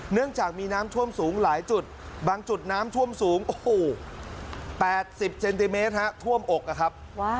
เนื่องจากมีน้ำท่วมสูงหลายจุดบางจุดน้ำท่วมสูงโอ้โห๘๐เซนติเมตรท่วมอกนะครับ